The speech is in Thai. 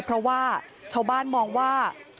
เพราะว่าชาวบ้านมองว่า